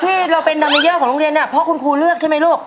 ที่เราเป็นดามิเยอร์ของโรงเรียนเนี่ยเพราะคุณครูเลือกใช่ไหมลูก